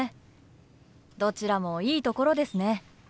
どちらもいいところですね。